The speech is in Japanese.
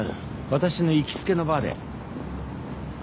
私の行きつけのバーで。